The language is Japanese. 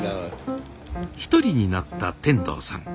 一人になった天童さん。